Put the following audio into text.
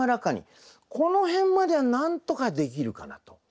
この辺まではなんとかできるかなと。